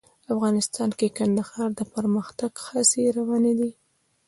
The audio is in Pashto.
افغانستان کې د کندهار د پرمختګ هڅې روانې دي.